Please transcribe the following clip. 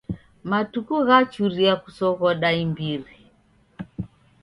Matuku ghachuria kusoghoda imbiri.